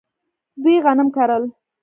دوی غنم کرل.